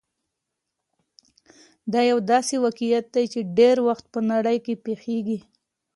دا يو داسې واقعيت دی چې ډېری وخت په نړۍ کې پېښېږي.